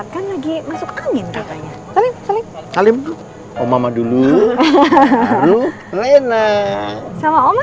kamu masuk ke dalam istriku ya